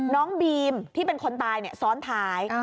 น้องบีมที่เป็นคนตายซ้อนท้าย